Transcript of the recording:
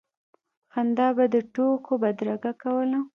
خندا به د ټوکو بدرګه کوله.